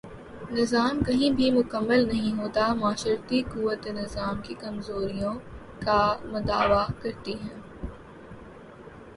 نظام کہیں بھی مکمل نہیں ہوتا معاشرتی قوت نظام کی کمزوریوں کا مداوا کرتی ہے۔